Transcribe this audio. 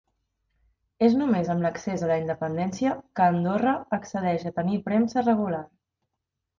És només amb l'accés a la independència que Andorra accedeix a tenir premsa regular.